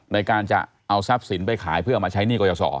ในการจะเอาทรัพย์สินไปขายเพื่อมาใช้หนี้กรยาศร